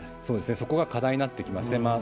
そこが課題になってきます。